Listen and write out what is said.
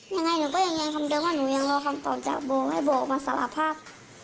ยังไงหนูก็ยืนยันคำเดิมว่าหนูยังรอคำตอบจากโบให้โบออกมาสารภาพ